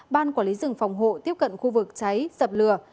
ban quản lý rừng phòng hộ tiếp cận khu vực cháy dập lửa